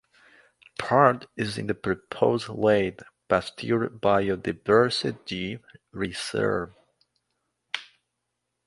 Part is in the proposed Lake Pasteur Biodiversity Reserve.